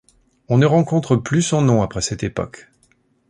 On ne rencontre plus son nom après cette époque.